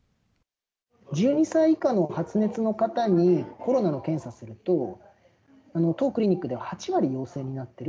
１２歳以下の発熱の方に、コロナの検査すると、当クリニックでは８割陽性になっている。